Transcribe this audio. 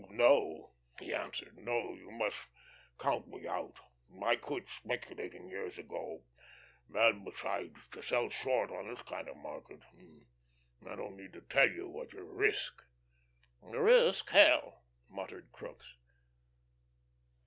"No," he answered. "No, you must count me out. I quit speculating years ago. And, besides, to sell short on this kind of market I don't need to tell you what you risk." "Risk hell!" muttered Crookes.